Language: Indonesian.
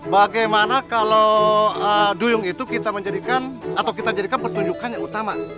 bagaimana kalau duyung itu kita menjadikan atau kita jadikan pertunjukan yang utama